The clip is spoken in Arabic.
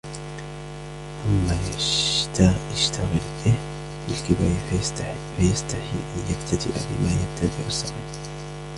ثُمَّ يَشْتَغِلَ بِهِ فِي الْكِبَرِ فَيَسْتَحِي أَنْ يَبْتَدِئَ بِمَا يَبْتَدِئُ الصَّغِيرُ